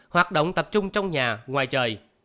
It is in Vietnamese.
bảy hoạt động tập trung trong nhà ngoài trời